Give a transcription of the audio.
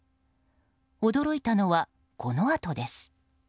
驚いたのは、このあとです。